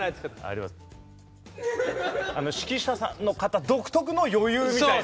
あの指揮者の方独特の余裕みたいな。